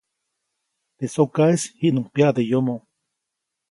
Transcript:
Teʼ sokaʼis jiʼnuŋ pyaʼde yomoʼ.